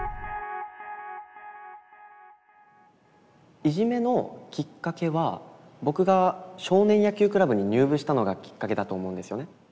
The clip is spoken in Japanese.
いじめのキッカケは僕が少年野球クラブに入部したのがキッカケだと思うんですよね。